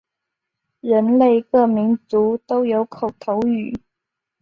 人类各民族都有口头语。